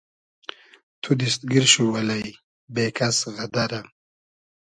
تو دیست گیر شو الݷ بې کئس غئدئرۂ